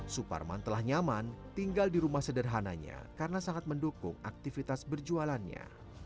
suparman telah nyaman tinggal di rumah sederhananya karena sangat mendukung aktivitas berjualannya